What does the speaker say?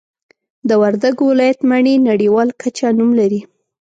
د وردګو ولایت مڼې نړیوال کچه نوم لري